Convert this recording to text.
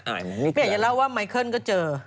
พี่ไม่อยากจะเล่าว่าไมเคิลก็เจอ